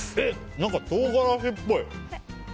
何か、唐辛子っぽい。